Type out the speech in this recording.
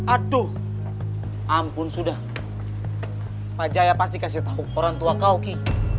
aduh ampun sudah pak jaya pasti kasih tahu orang tua kauki